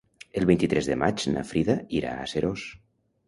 El vint-i-tres de maig na Frida irà a Seròs.